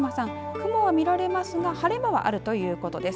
雲はみられますが晴れ間もあるということです。